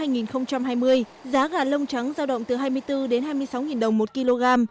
giá gà lông trắng giao động từ hai mươi bốn đến hai mươi sáu đồng một kg